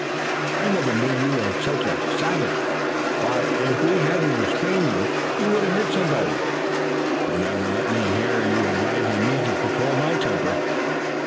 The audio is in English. "I never knew you were such a savage. Why, if we hadn't restrained you, you would have hurt somebody. Don't ever let me hear you advising me to control my temper."